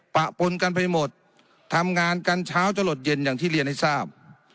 ปะปนกันไปหมดทำงานกันเช้าจะหลดเย็นอย่างที่เรียนให้ทราบ